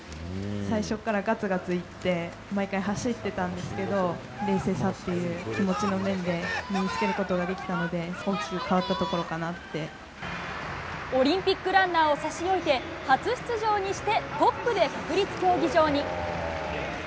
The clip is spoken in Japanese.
最初からがつがついって、毎回走ってたんですけど、冷静さっていう気持ちの面で、身につけることができたので、オリンピックランナーを差し置いて、初出場にしてトップで国立競技場に。